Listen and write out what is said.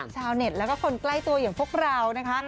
ชาวเน็ตแล้วก็คนใกล้ตัวอย่างพวกเรานะคะ